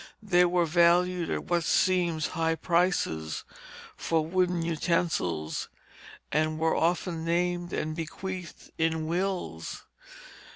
They were valued at what seems high prices for wooden utensils and were often named and bequeathed in wills.